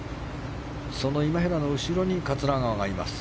その今平の後ろに桂川がいます。